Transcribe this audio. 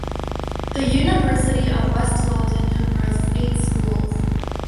The University of West London comprises eight schools.